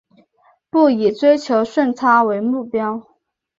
不以追求顺差为目标